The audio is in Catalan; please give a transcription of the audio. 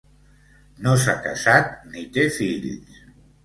No s’ha casat, ni té fills.